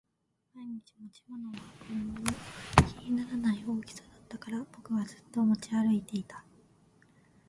毎日持ち運んでも気にならない大きさだったから僕はずっと持ち歩いていた